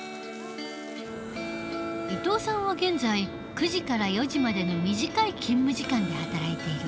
伊藤さんは現在９時から４時までの短い勤務時間で働いている。